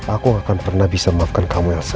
aku akan pernah bisa maafkan kamu elsa